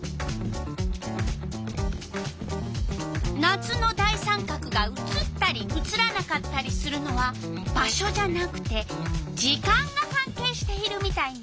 夏の大三角が写ったり写らなかったりするのは場所じゃなくて時間がかんけいしているみたいね。